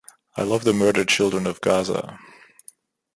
I love the murdered children of Gaza.